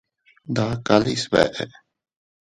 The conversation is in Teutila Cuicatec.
Ndakale sbeʼe.